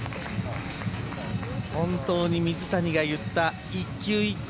本当に水谷が言った１球１球